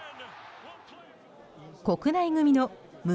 国内組の胸